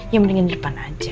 yang mendingan di depan aja